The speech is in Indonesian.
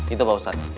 itu pak ustaz